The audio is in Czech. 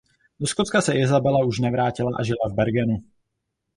Do Skotska se Isabela už nevrátila a žila v Bergenu.